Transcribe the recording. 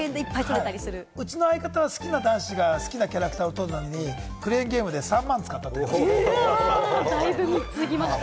うちの相方は好きな男子が好きなキャラクターを取るためにクレーンゲームで３万使ってました。